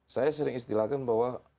saya sering istilahkan bahwa